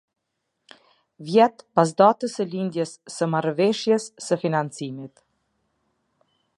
Vjet pas datës së lidhjes së Marrëveshjes së Financimit.